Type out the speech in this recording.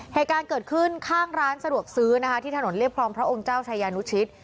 เหตุการณ์เกิดขึ้นข้างร้านสะดวกซื้อนะคะที่ถนนเรียบครองพระองค์เจ้าชายานุชิต